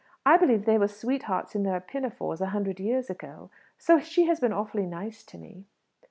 I believe they were sweethearts in their pinafores a hundred years ago; so she has been awfully nice to me."